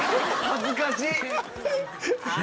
恥ずかしい！